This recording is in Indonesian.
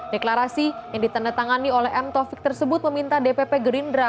deklarasi yang ditandatangani oleh m taufik tersebut meminta dpp gerindra